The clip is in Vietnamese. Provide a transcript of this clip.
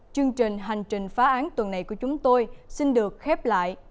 chương trình hành trình phá án tuần này của chúng tôi xin được khép lại